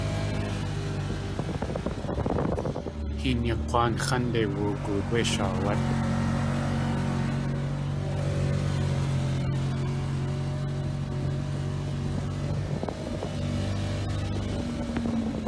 Hinyaa K̲wáan x̲ánde woogoot wé shaawát.